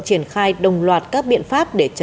triển khai đồng loạt các biện pháp để trả lời